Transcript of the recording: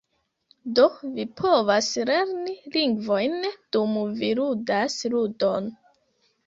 Do, vi povas lerni lingvojn dum vi ludas ludon